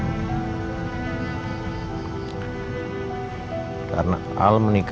aku bukan mengandalkan studio ini